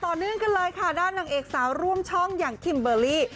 เนื่องกันเลยค่ะด้านนางเอกสาวร่วมช่องอย่างคิมเบอร์รี่